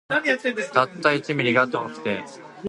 たった一ミリが遠くて